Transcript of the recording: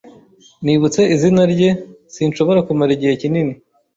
Nibutse izina rye, sinshobora kumara igihe kinini.